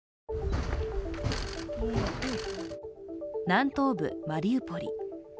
南東部マリウポリ。